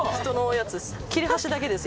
切れ端だけです